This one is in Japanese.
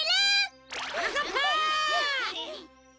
はなかっぱ！